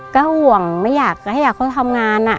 ก็ห่วงไม่อยากให้อยากเขาทำงาน